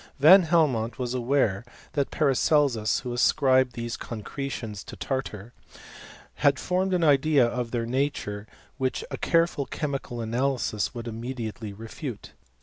Van Belmont was aware that Paracelsus, who ascribed ttese concretions to tartar, had formed an idea of tbeir nature, which a careful chemical analysis would ttkinediately refute.